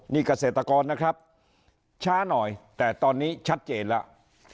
นี่เกษตรกรนะครับช้าหน่อยแต่ตอนนี้ชัดเจนแล้ว